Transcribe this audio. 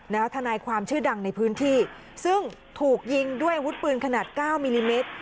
ทนายความชื่อดังในพื้นที่ซึ่งถูกยิงด้วยอาวุธปืนขนาดเก้ามิลลิเมตร